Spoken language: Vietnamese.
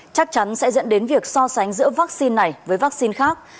chắc chắn sẽ dẫn đến việc so sánh giữa vaccine này với vaccine khác